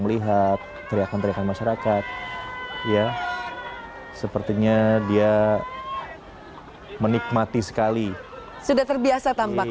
melihat teriakan teriakan masyarakat ya sepertinya dia menikmati sekali sudah terbiasa tampaknya